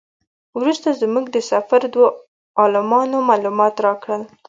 وروسته زموږ د سفر دوو عالمانو معلومات راکړل.